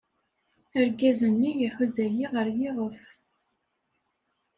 Argaz-nni iḥuza-iyi ɣer yiɣef.